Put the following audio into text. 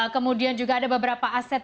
kemudian juga ada beberapa aset